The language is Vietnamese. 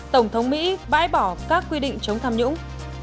tổng thống mỹ bãi bỏ các quy định chống tham nhũng